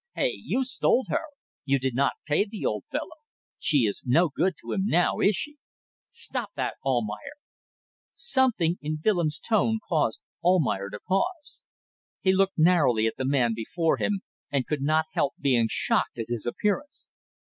Hey! You stole her. You did not pay the old fellow. She is no good to him now, is she?" "Stop that. Almayer!" Something in Willems' tone caused Almayer to pause. He looked narrowly at the man before him, and could not help being shocked at his appearance.